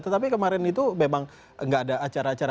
tetapi kemarin itu memang nggak ada acara acara